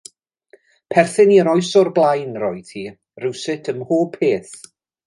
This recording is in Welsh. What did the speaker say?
Perthyn i'r oes o'r blaen yr oedd hi, rywsut ym mhob peth.